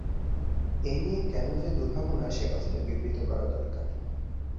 এ নিয়ে কেন যে দুর্ভাবনা সে কথাটা বিবৃত করা দরকার।